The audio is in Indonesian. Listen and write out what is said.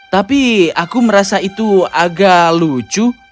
tapi aku merasa itu agak lucu